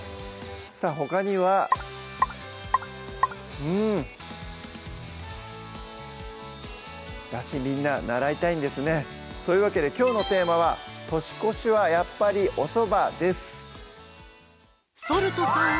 さぁほかにはうんだしみんな習いたいんですねというわけできょうのテーマは「年越しはやっぱりお蕎麦」です